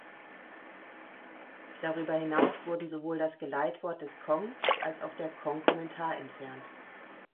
Darüber hinaus wurden sowohl das "Geleitwort des Kong" als auch der "Kong-Kommentar" entfernt.